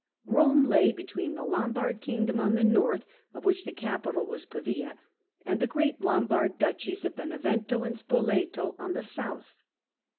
Rome lay between the Lombard kingdom on the north, of which the capital was Pavia, and the great Lombard duchies of Benevento and Spoleto on the south.